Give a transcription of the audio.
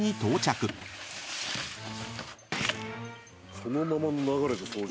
そのままの流れで掃除。